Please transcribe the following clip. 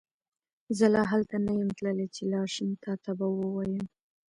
زه لا هلته نه يم تللی چې لاړشم تا ته به وويم